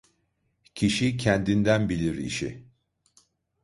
Kişi kendinden bilir işi.